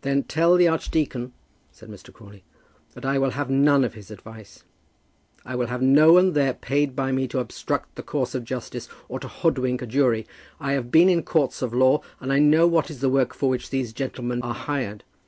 "Then tell the archdeacon," said Mr. Crawley, "that I will have none of his advice. I will have no one there paid by me to obstruct the course of justice or to hoodwink a jury. I have been in courts of law, and know what is the work for which these gentlemen are hired.